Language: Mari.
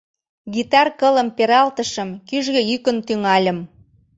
Гитар кылым пералтышым, кӱжгӧ йӱкын тӱҥальым: